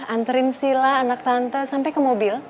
anterin sila anak tante sampai ke mobil